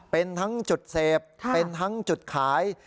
เป็นทั้งจุดเสพเป็นทั้งจุดขาย